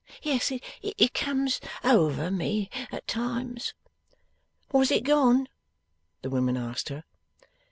Yes. It comes over me at times.' Was it gone? the women asked her.